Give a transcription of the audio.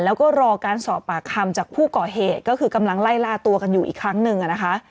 แล้วก็รอการสอบปากคำจากผู้ก่อเหตุก็คือกำลังไล่ล่าตัวกันอยู่อีกครั้งหนึ่งนะคะ